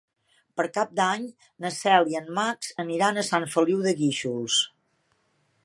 Per Cap d'Any na Cel i en Max aniran a Sant Feliu de Guíxols.